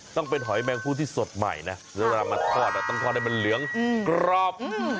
ต้องเป็นหอยแมงผู้ที่สดใหม่นะแล้วเวลามาทอดต้องทอดให้มันเหลืองกรอบ